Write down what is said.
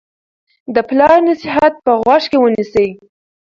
د پلار نصیحت په غوږ کې ونیسئ.